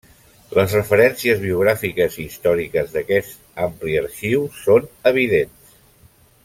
Les referències biogràfiques i històriques d'aquest ampli arxiu són evidents.